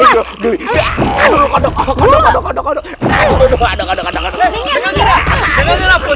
iya jangan nyerah